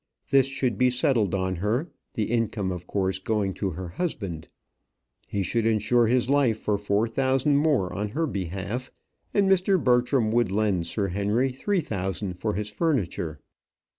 This should be settled on her, the income of course going to her husband. He should insure his life for four thousand more on her behalf; and Mr. Bertram would lend Sir Henry three thousand for his furniture.